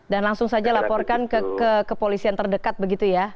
dan langsung saja laporkan ke kepolisian terdekat begitu ya